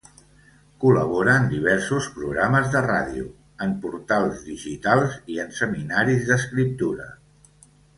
Col·labora en diversos programes de ràdio, en portals digitals i en seminaris d'escriptura.